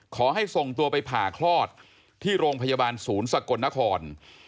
ขอให้ส่งตัวไปผ่าคลอดที่โรงพยาบาลศูนย์สกลนคร